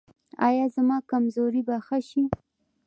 ایا زما کمزوري به ښه شي؟